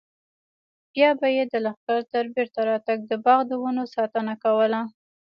بیا به یې د لښکر تر بېرته راتګ د باغ د ونو ساتنه کوله.